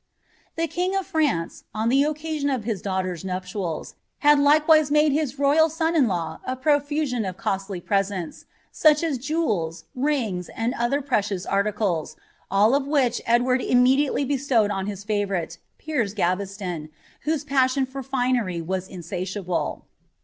Dg of France, on the occasion of his daughter's nuptials, had imde his royal son in law a profusion of costly presents, such , rings, and other precious articles, all of which Edward imme sstowed on his favourite. Piers Gaveston, whose passion for 8 insatiable.'